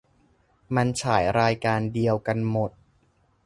มันฉายรายการเดียวกันหมด